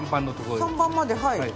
３番まではい。